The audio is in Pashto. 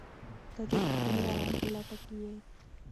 ته د رښتیني ارام په لټه کې یې؟